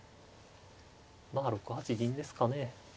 まあ６八銀ですかね。